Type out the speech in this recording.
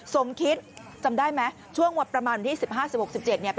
สมคิดจำได้ไหมช่วงประมาณวันที่๑๕๑๖๑๗เนี่ย